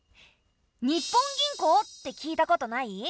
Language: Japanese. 日本銀行って聞いたことない？